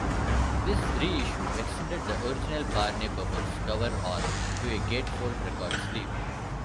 This reissue extended the original Barney Bubbles cover art to a gatefold record sleeve.